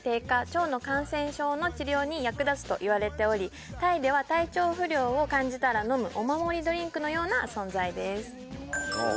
腸の感染症の治療に役立つといわれておりタイでは体調不良を感じたら飲むお守りドリンクのような存在です